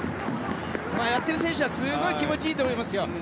やっている選手はすごい気持ちいいと思いますよ。